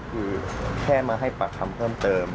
คือแค่มาให้ปากคำเพิ่มเติม